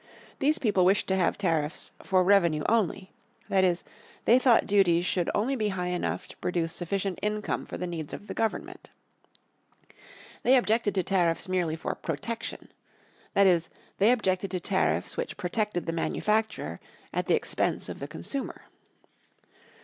These people wished to have tariffs "for revenue only." That is, they thought duties should only be high enough to produce sufficient income for the needs of the government. They objected to tariffs merely for "protection." That is, they objected to tariffs which "protected" the manufacturer at the expense of the consumer.